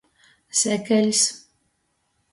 Sekeļs.